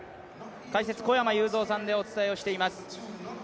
解説・小山裕三さんでお伝えをしています。